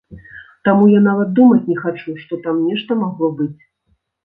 Таму я нават думаць не хачу, што там нешта магло быць.